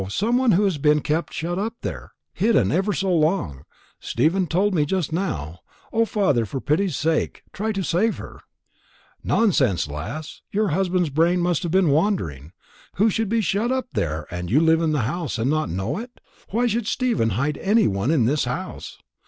Some one who has been kept shut up there hidden ever so long. Stephen told me just now. O, father, for pity's sake, try to save her!" "Nonsense, lass. Your husband's brain must have been wandering. Who should be shut up there, and you live in the house and not know it? Why should Stephen hide any one in his house?